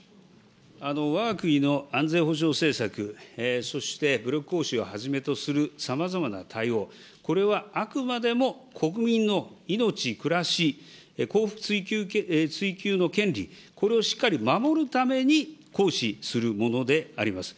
わが国の安全保障政策、そして武力行使をはじめとするさまざまな対応、これはあくまでも国民の命、暮らし、幸福追求の権利、これをしっかり守るために行使するものであります。